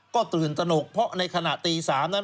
ก็ตื่นตนกเพราะในขณะตี๓นั้น